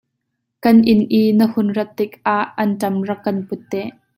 Kan inn i na hun rat tikah anṭam rak kan put te.